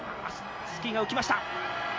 スキーが浮きました。